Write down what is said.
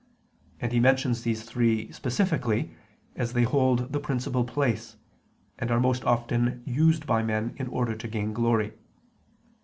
And He mentions these three specifically, as they hold the principal place, and are most often used by men in order to gain glory.